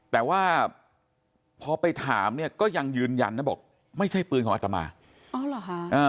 แต่ว่าพอไปถามเนี่ยก็ยังยืนยันนะบอกไม่ใช่ปืนของอัตมาอ๋อเหรอคะ